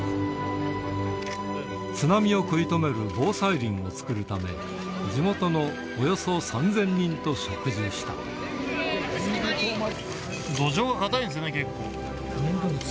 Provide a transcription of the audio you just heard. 津波を食い止める防災林を作るため、地元のおよそ３０００人と植土壌が硬いんですね、結構。